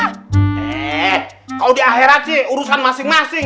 eh kalo dia heret sih urusan masing masing